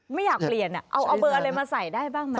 ไม่อยากเปลี่ยนเอาเบอร์อะไรมาใส่ได้บ้างไหม